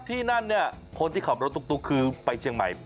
ที่นั่นเนี่ยคนที่ขับรถตุ๊กคือไปเชียงใหม่